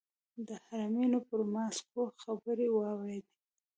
د حرمینو پر ماسکو خبرې واورېدې.